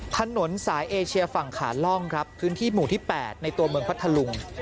ถนนสายเอเชียฝั่งขาล่องครับพื้นที่หมู่ที่๘ในตัวเมืองพัทธลุง